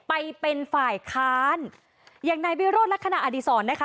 ไปเป็นฝ่ายค้านอย่างนายวิโรธลักษณะอดีศรนะคะ